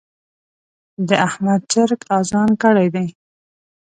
د احمد چرګ اذان کړی دی.